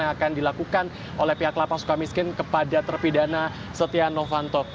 yang akan dilakukan oleh pihak lp sukamiskin kepada terpidana setia novanto